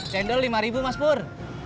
cendol lima ribu mas pur